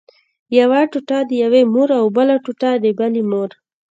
یوه ټوټه د یوې مور او بله ټوټه د بلې مور.